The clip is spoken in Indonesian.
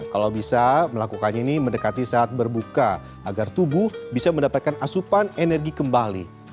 kalau bisa melakukannya ini mendekati saat berbuka agar tubuh bisa mendapatkan asupan energi kembali